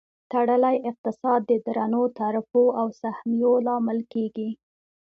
تړلی اقتصاد د درنو تعرفو او سهمیو لامل کیږي.